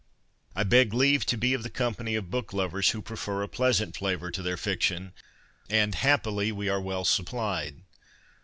I beg leave to be of the company of book lovers who prefer a pleasant flavour to their fiction, and, happily, we are well supplied.